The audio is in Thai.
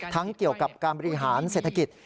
เกี่ยวกับการบริหารเศรษฐกิจ